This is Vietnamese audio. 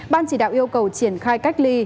ban chỉ đạo yêu cầu triển khai cách ly